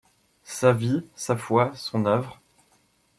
Sa vie, sa foi, son œuvre.